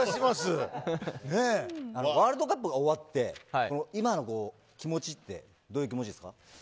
ワールドカップが終わって今の気持ちってどういう気持ちですか。